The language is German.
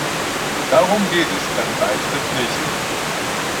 Darum geht es beim Beitritt nicht.